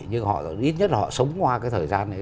nhưng họ ít nhất là họ sống qua cái thời gian đấy